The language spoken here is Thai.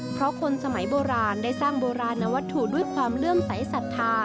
เพราะคนสมัยโบราณได้สร้างโบราณวัตถุด้วยความเลื่อมใสสัทธา